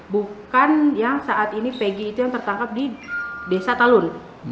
bukan yang saat ini pg itu yang tertangkap di desa talun